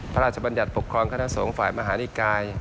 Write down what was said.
พระราชบัญญัติปกครองคณะสงฆ์ฝ่ายมหานิกาย